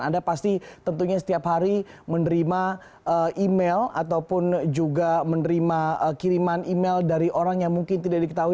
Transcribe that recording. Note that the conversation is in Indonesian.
anda pasti tentunya setiap hari menerima email ataupun juga menerima kiriman email dari orang yang mungkin tidak diketahui